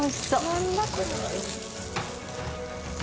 何だこれ？